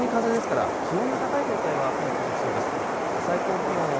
南風ですから気温の高い状態はあすも続きそうです。